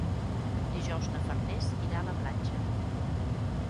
Dijous na Farners irà a la platja.